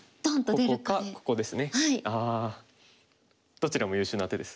どちらも優秀な手です。